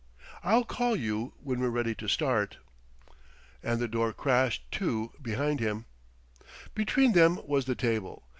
I'll call you when we're ready to start." And the door crashed to behind him.... Between them was the table.